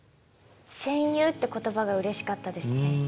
「戦友」って言葉がうれしかったですね。